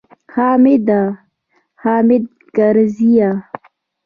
حامده! حامد کرزیه!